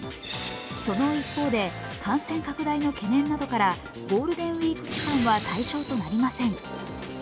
その一方で、感染拡大の懸念などからゴールデンウイークは対象となりません。